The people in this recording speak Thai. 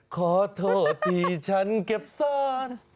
ขอโทษที่ฉันเก็บซ่อน